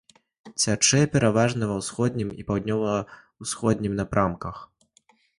Цячэ пераважна ва ўсходнім і паўднёва-ўсходнім напрамках.